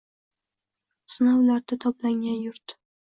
Sinovlarda toblangan yurt